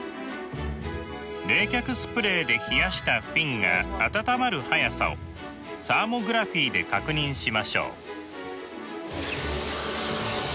冷却スプレーで冷やしたフィンが暖まる速さをサーモグラフィーで確認しましょう。